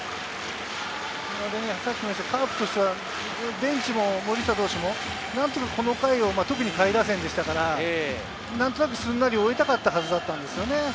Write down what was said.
カープとしてはベンチも森下投手も何とかこの回を特に下位打線でしたから、何となくすんなり終えたかったはずなんですよね。